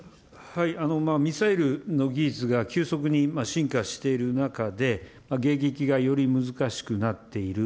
ミサイルの技術が急速に進化している中で、迎撃がより難しくなっている。